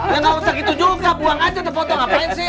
ya nggak usah gitu juga buang aja terpotong ngapain sih